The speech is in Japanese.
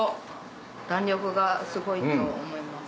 弾力がすごいと思います。